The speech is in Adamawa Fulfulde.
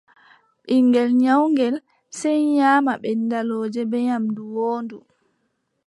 Ɓiŋngel nyawngel , sey nyaama ɓenndalooje bee nyaamdu woondu.